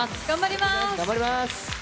頑張ります。